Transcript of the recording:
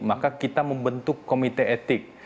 maka kita membentuk komite etik